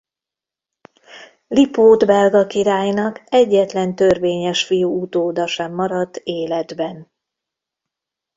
Lipót belga királynak egyetlen törvényes fiú utóda sem maradt életben.